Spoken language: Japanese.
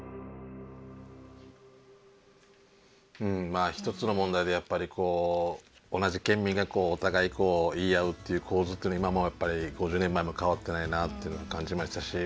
まあ一つの問題でやっぱりこう同じ県民がお互いこう言い合うっていう構図って今もやっぱり５０年前も変わってないなっていうの感じましたし。